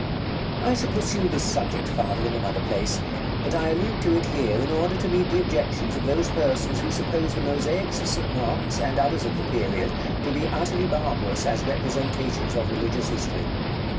§ LXII. I shall pursue this subject farther in another place; but I allude to it here in order to meet the objections of those persons who suppose the mosaics of St. Mark's, and others of the period, to be utterly barbarous as representations of religious history.